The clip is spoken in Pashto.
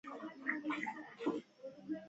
ګوښه توب د ژبې د مړینې پیل دی.